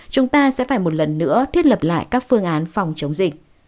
chúng ta sẽ phải một lần nữa thiết lập lại các phương án phòng chống dịch